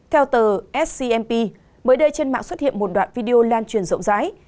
theo tờ scmp mới đây trên mạng xuất hiện một đoạn video lan truyền rộng rãi